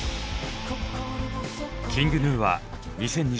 ＫｉｎｇＧｎｕは２０２２